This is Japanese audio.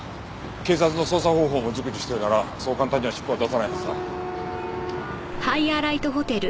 警察の捜査方法も熟知してるならそう簡単には尻尾は出さないはずだ。